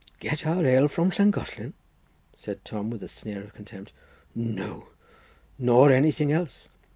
"Get our ale from Llangollen?" said Tom, with a sneer of contempt, "no, nor anything else.